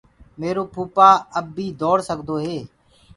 ميرو ڀوپآ اب بي دوڙ سگدو هي۔